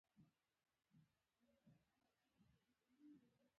د ټېکنالوجۍ محصولاتو کې له موادو څخه ګټه اخیستنه